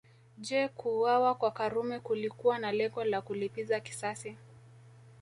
Je kuuawa kwa Karume kulikuwa na lengo la kulipiza kisasi